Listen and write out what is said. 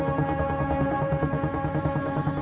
ya udah gue jalanin dulu